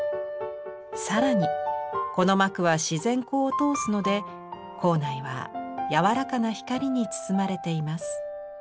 更にこの膜は自然光を通すので構内はやわらかな光に包まれています。